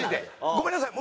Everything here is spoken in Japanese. ごめんなさい。